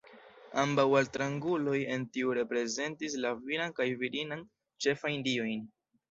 Ambaŭ altranguloj en tio reprezentis la viran kaj virinan ĉefajn diojn.